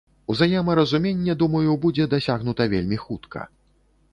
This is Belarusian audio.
Узаемаразуменне, думаю, будзе дасягнута вельмі хутка.